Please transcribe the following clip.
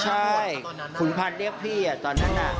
ใช่ขุนพันธ์เรียกพี่ตอนนั้น